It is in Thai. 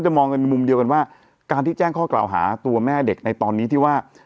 มองกันในมุมเดียวกันว่าการที่แจ้งข้อกล่าวหาตัวแม่เด็กในตอนนี้ที่ว่า